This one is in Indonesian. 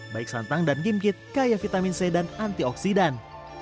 baik santang dan gimkit kaya vitamin c dan antioksidan